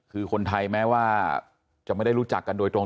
คือคนไทยแม้ว่าจะไม่ได้รู้จักกันโดยตรง